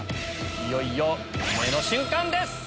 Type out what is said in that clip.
いよいよ運命の瞬間です！